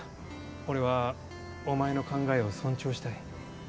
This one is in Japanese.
俺はお前の考えを尊重したい。